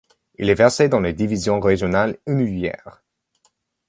Il est versé dans les divisions régionales hennuyères.